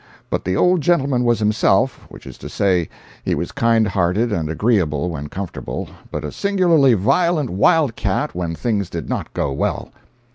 But the old gentleman was himself—which is to say, he was kind hearted and agreeable when comfortable, but a singularly violent wild cat when things did not go well.